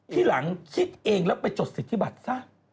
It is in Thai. ทีหลังคิดเองแล้วไปจดสิทธิบัตรซะ